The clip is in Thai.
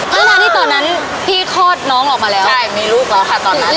ขณะที่ตอนนั้นพี่คลอดน้องออกมาแล้วใช่มีลูกแล้วค่ะตอนนั้น